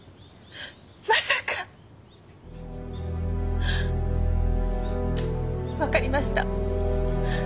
まさか！わかりました。